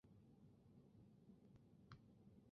污水下水道为台湾新十大建设之一。